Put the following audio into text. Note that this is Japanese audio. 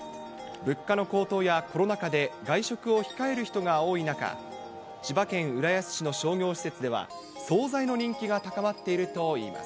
物価の高騰やコロナ禍で、外食を控える人が多い中、千葉県浦安市の商業施設では、総菜の人気が高まっているといいます。